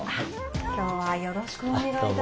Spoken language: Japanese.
今日はよろしくお願い致します。